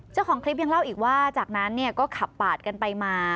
เจ้าของคลิปยังเล่าอีกว่าจากนั้นก็ขับปาดกันไปมา